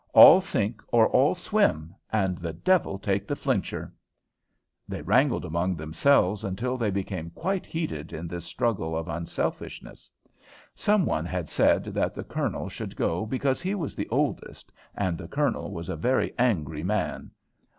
"All sink or all swim, and the devil take the flincher." They wrangled among themselves until they became quite heated in this struggle of unselfishness. Some one had said that the Colonel should go because he was the oldest, and the Colonel was a very angry man.